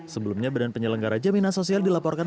sebelumnya badan penyelenggara jaminan sosial dilaporkan